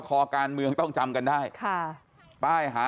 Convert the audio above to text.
ขอบคุณครับ